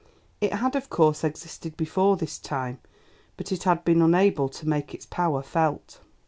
It had, of course, existed before this time, but it had been unable to make its power felt.